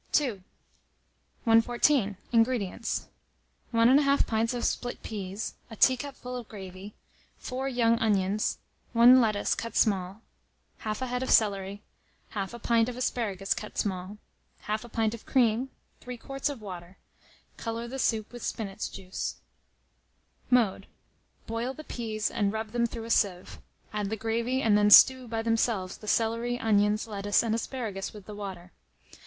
II. 114. INGREDIENTS. 1 1/2 pint of split peas, a teacupful of gravy, 4 young onions, 1 lettuce cut small, 1/2 a head of celery, 1/2 a pint of asparagus cut small, 1/2 a pint of cream, 3 quarts of water: colour the soup with spinach juice. Mode. Boil the peas, and rub them through a sieve; add the gravy, and then stew by themselves the celery, onions, lettuce, and asparagus, with the water.